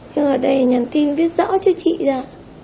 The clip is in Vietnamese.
nhưng ở đây nhắn tin viết rõ chữ chị ra